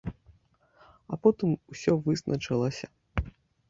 А потым усё вызначылася.